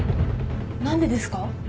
何でですか？